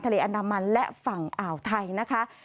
อันดามันและฝั่งอ่าวไทยนะคะ